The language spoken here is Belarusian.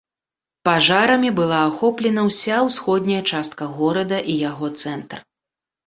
Пажарамі была ахоплена ўся ўсходняя частка горада і яго цэнтр.